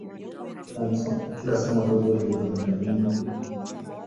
Kila somo dogo lina wataalamu wake.